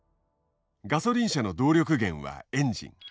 ガソリン車の動力源はエンジン。